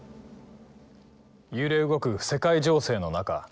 揺れ動く世界情勢の中戊辰戦争